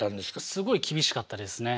すごい厳しかったですね。